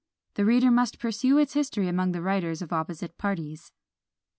The reader must pursue its history among the writers of opposite parties.